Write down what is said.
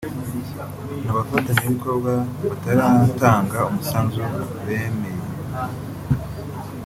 ni abafatanyabikorwa bataratanga umusanzu bemeye